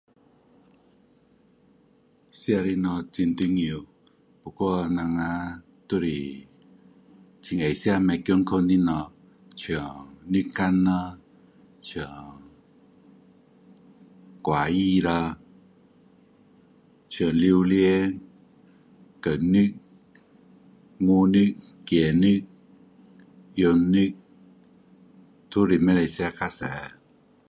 吃的东西很重要不过我们都是很爱吃不健康的东西就是像肉干咯像瓜子咯像榴莲和肉牛肉鸡肉羊肉都是不可以吃太多